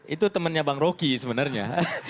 itu temannya bang roky sebenarnya